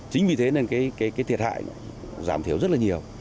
chính vì thế nên cái thiệt hại giảm thiểu rất là nhiều